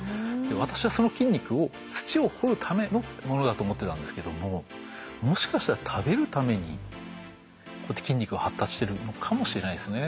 私はその筋肉を土を掘るためのものだと思ってたんですけどももしかしたら食べるためにこうやって筋肉が発達してるのかもしれないですね。